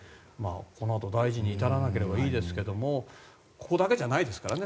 このあと大事に至らなければいいですけれどもここだけじゃないですからね。